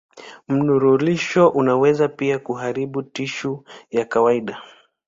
Mnururisho unaweza pia kuharibu tishu ya kawaida.